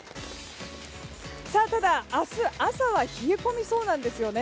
ただ、明日の朝は冷え込みそうなんです。